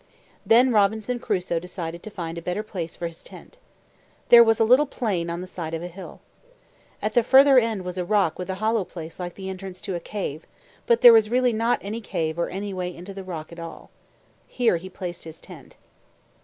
Then Robinson Crusoe decided to find a better place for his tent. There was a little plain on the bide of a hill. At the further end was a rock with a hollow place like the entrance to a cave; but there was really not any cave or way into the rock at all. Here he placed his tent.